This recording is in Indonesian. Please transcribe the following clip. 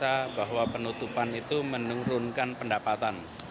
saya rasa bahwa penutupan itu menurunkan pendapatan